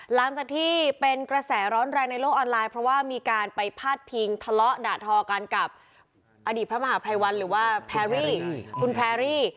หลังจากที่เป็นกระแสร้อหนแรงในโลกออนไลน์เพราะว่ามีการไปอาทิตย์พิงธละด่าทอกันกับอดีตพมหาพระวรรค์หรือว่าแพรรี่